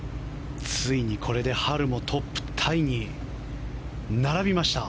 ついにこれでハルもトップタイに並びました。